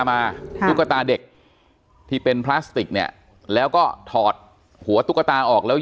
มาตุ๊กตาเด็กที่เป็นพลาสติกเนี่ยแล้วก็ถอดหัวตุ๊กตาออกแล้ว